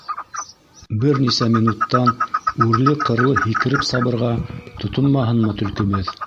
Бер нисә минуттан үрле-ҡырлы һикереп сабырға тотонмаһынмы төлкөбөҙ.